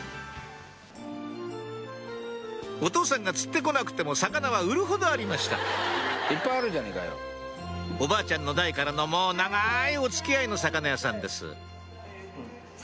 お父さんが釣って来なくても魚は売るほどありましたおばあちゃんの代からのもう長いお付き合いの魚屋さんです